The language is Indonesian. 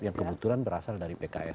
yang kebetulan berasal dari pks